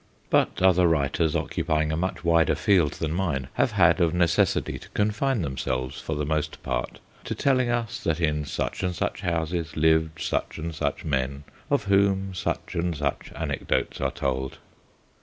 But other writers, occupying a much wider field than mine, have had of necessity to confine them selves, for the most part, to telling us that in such and such houses lived such and such men, of whom such and such anecdotes are told.